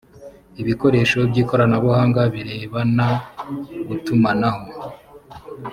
ibikoresho by’ ikoranabuhanga birebana gutumanaho